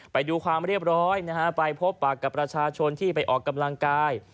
ไปดูความเรียบร้อยนะฮะไปพบปากกับประชาชนที่ไปออกกำลังกาย